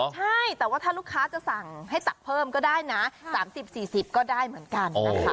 ใช่แต่ว่าถ้าลูกค้าจะสั่งให้ตักเพิ่มก็ได้นะ๓๐๔๐ก็ได้เหมือนกันนะคะ